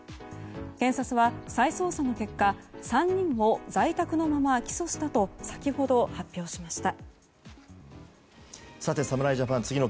検察は再捜査の結果３人を在宅のまま起訴したと先ほど発表しました。